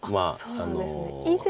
そうなんですね。